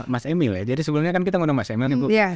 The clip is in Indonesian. mas emil ya jadi sebelumnya kan kita mengundang mas emil